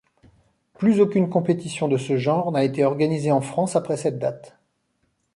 Plus aucune compétition de ce genre n'a été organisée en France après cette date.